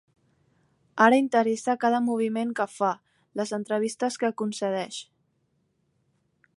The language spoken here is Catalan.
Ara interessa cada moviment que fa, les entrevistes que concedeix.